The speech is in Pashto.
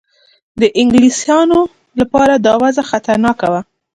د انګلیسیانو لپاره دا وضع خطرناکه وه.